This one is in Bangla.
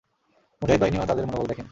মুজাহিদ বাহিনীও তাদের মনোবল দেখেন।